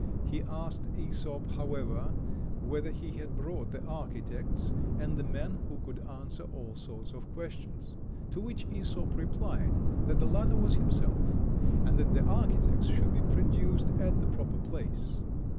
He asked Æsop, however, whether he had brought the architects and the man who could answer all sorts of questions. To which Æsop replied, that the latter was himself, and that the architects should be produced at the proper place.